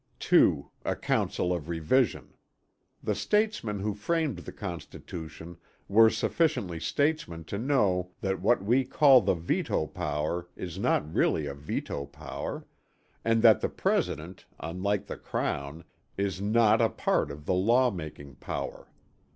2. A council of revision." The statesmen who framed the Constitution were sufficiently statesmen to know that what we call the veto power is not really a veto power; and that the President, unlike the Crown, is not a part of the law making power.